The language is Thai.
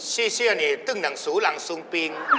เฉียนนี่ตึงดังสูรังสูงปิง